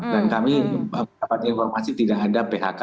dan kami mendapatkan informasi tidak ada phk